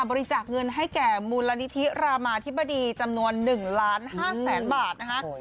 บริจาคเงินให้แก่มูลนิธิรามาธิบดีจำนวน๑ล้าน๕แสนบาทนะคะ